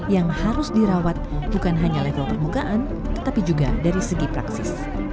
yang harus dirawat bukan hanya level permukaan tetapi juga dari segi praksis